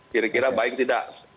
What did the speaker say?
kira kira baik tidak